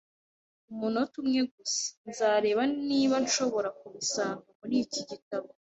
Umunota umwe gusa. Nzareba niba nshobora kubisanga muri iki gitabo.